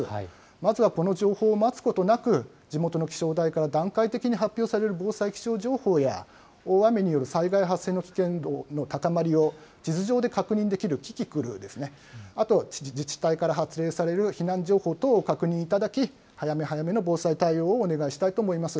まずはこの情報を待つことなく、地元の気象台から段階的に発表される防災気象情報や、大雨による災害発生の危険度の高まりを地図上で確認できるキキクルですね、あと、自治体から発令される避難情報等を確認いただき、早め早めの防災対応をお願いしたいと思います。